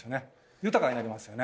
豊かになりますよね